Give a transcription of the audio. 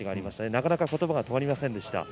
なかなか言葉が止まりませんでした。